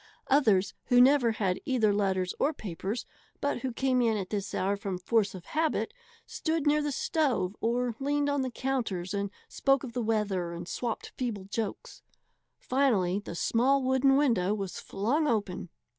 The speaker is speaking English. Others who never had either letters or papers, but who came in at this hour from force of habit, stood near the stove or leaned on the counters and spoke of the weather and swapped feeble jokes. Finally the small wooden window was flung open.